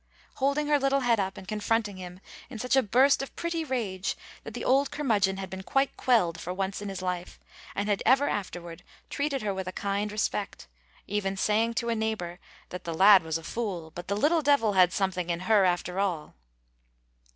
holding her little head up and confronting him in such a burst of pretty rage that the old curmudgeon had been quite quelled for once in his life, and had ever afterward treated her with a kind of respect, even saying to a neighbor that "the lad was a fool, but the little devil had something in her, after all."